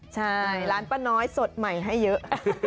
ใช่ร้านป้าน้อยสดใหม่ให้เยอะ